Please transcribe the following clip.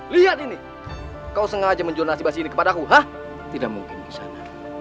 lihat ini makanan ini juga basi dan dipenuhi ulat sama belatung